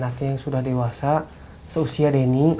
laki yang sudah dewasa seusia deni